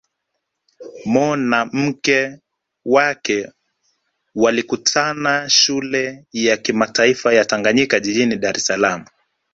Mo na mke wake walikutana Shule ya Kimataifa ya Tanganyika jijini Dar es Salaam